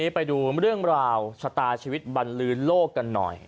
ไปดูเรื่องราวชะตาชีวิตบรรลืนโลกกันหน่อย